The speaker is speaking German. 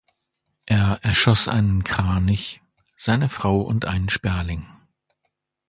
Er erschoss einen Kranich, seine Frau und einen Sperling.